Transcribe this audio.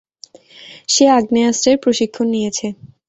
সে আগ্নেয়াস্ত্রের প্রশিক্ষণ নিয়েছে।